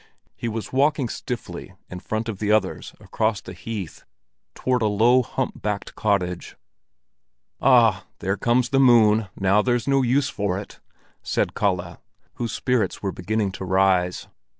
He was walking stiffly in front of the others across the heath toward a low, hump backed cottage. "Ah, there comes the moon, now there's no use for it!" said Kalle, whose spirits were beginning to rise.